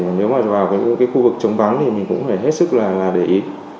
nếu mà vào cái khu vực trống vắng thì mình cũng phải hết sức là để ý